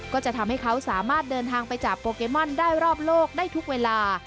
ก็จะทำให้เขาสามารถเดินทางไปจับโปเกมอนได้รอบโลกได้ทุกเวลา